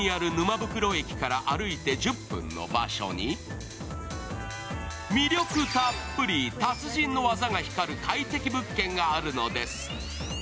袋駅から歩いて１０分の場所に魅力たっぷり達人の技が光る快適物件があるのです。